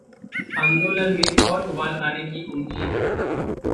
आंदोलन में और उबाल आने की उम्मीद